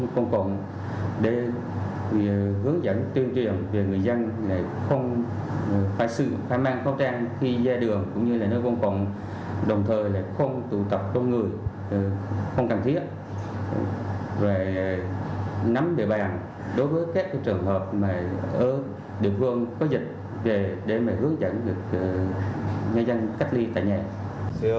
và nắm địa bàn đối với các trường hợp ở địa phương có dịch về để hướng dẫn người dân cách ly tại nhà